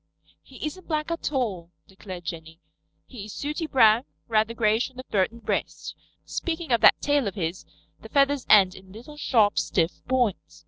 "He isn't black at all," declared Jenny. "He is sooty brown, rather grayish on the throat and breast. Speaking of that tail of his, the feathers end in little, sharp, stiff points.